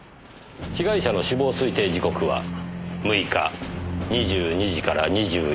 被害者の死亡推定時刻は６日２２時から２４時頃。